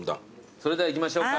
それでは行きましょうか。